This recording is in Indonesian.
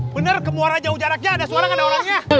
benar ke muara jauh jaraknya ada suara kan ada orangnya